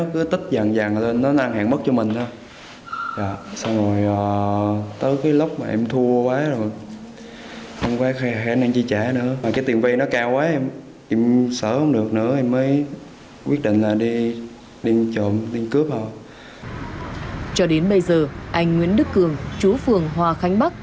cho đến bây giờ anh nguyễn đức cường chú phường hòa khánh bắc